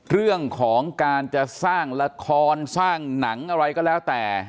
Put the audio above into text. เรื่องของการจะสร้างละครสร้างหนังอะไรก็แล้วแต่